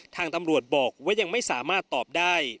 ทางตำรวจบอกว่ายังไม่สามารถตอบได้